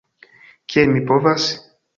Kiel mi povas?